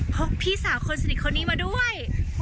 พี่สาวคนสนิทคนนี้มาด้วย